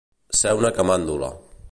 Ser una camàndula.